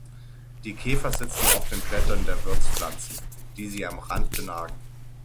Die Käfer sitzen auf den Blättern der Wirtspflanzen, die sie am Rand benagen.